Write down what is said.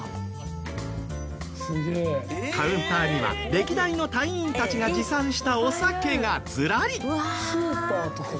カウンターには歴代の隊員たちが持参したお酒がずらり。